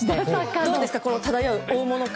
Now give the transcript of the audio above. どうですか、この漂う大物感。